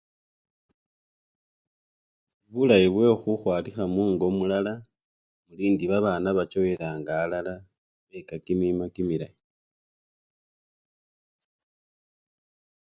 Bulayi bwekhu-khwalikha mungo mulala, elindi babana bachowelanga alala beka kimima kimilayi.